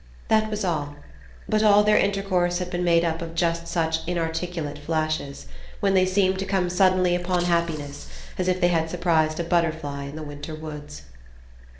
That was all; but all their intercourse had been made up of just such inarticulate flashes, when they seemed to come suddenly upon happiness as if they had surprised a butterfly in the winter woods...